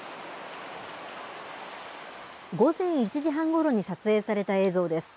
午前１時半ごろに撮影された映像です。